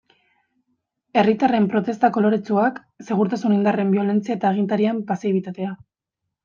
Herritarren protesta koloretsuak, segurtasun indarren biolentzia eta agintarien pasibitatea.